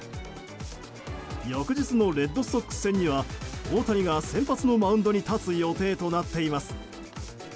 翌日のレッドソックス戦には大谷が先発のマウンドに立つ予定となっています。